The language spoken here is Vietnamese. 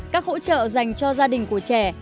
ba hai các hỗ trợ dành cho gia đình của trẻ